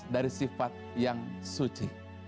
dari sifat yang suci